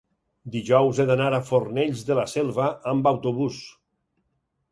dijous he d'anar a Fornells de la Selva amb autobús.